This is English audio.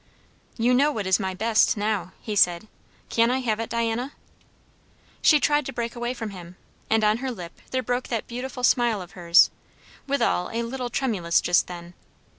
"You know what is my 'best' now," he said. "Can I have it, Diana?" She tried to break away from him, and on her lip there broke that beautiful smile of hers; withal a little tremulous just then.